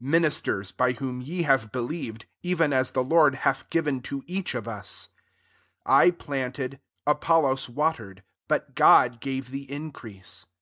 Ministers bf whom ye have believed, evenai the Lord hath given to each (^ U8. 6 I planted ; Apollos water* ed ; but God gave the increase.